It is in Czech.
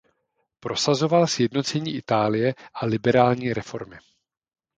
Prosazoval sjednocení Itálie a liberální reformy.